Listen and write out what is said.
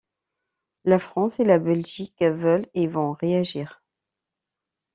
La France et la Belgique veulent et vont réagir.